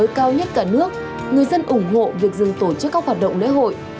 với ca mắc mới cao nhất cả nước người dân ủng hộ việc dừng tổ chức các hoạt động lễ hội